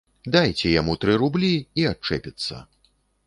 Дайце яму тры рублі, і адчэпіцца.